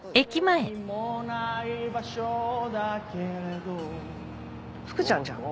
何も無い場所だけれど福ちゃんじゃん。